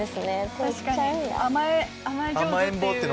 確かに甘え上手っていう。